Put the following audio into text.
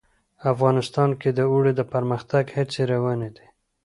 افغانستان کې د اوړي د پرمختګ هڅې روانې دي.